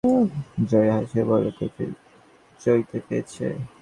জয়া হাসিয়া বলে, তোকে চৈতে পেয়েছে।